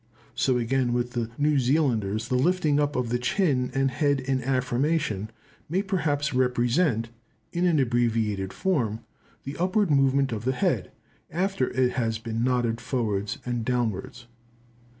So again with the New Zealanders, the lifting up the chin and head in affirmation may perhaps represent in an abbreviated form the upward movement of the head after it has been nodded forwards and downwards.